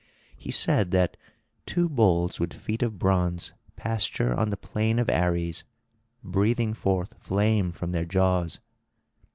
He said that two bulls with feet of bronze pasture on the plain of Ares, breathing forth flame from their jaws.